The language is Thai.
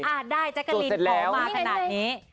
อ้าาจักรีนหมอกออกมาขนาดนี้